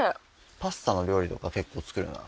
パスタの料理とか結構作るなあ。